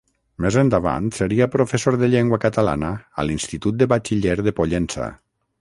Més endavant seria professor de llengua catalana a l'Institut de Batxiller de Pollença.